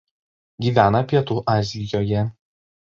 Gyvena pietų Azijoje.